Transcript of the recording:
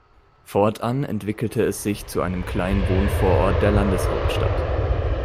Fortan entwickelte es sich zu einem kleinen Wohnvorort der Landeshauptstadt.